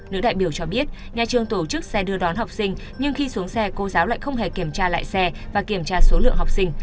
nữ đại biểu cho biết nhà trường tổ chức xe đưa đón học sinh nhưng khi xuống xe cô giáo lại không hề kiểm tra lại xe và kiểm tra số lượng học sinh